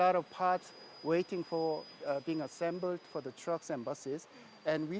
anda melihat banyak bagian yang menunggu untuk disambungkan untuk bus dan mobil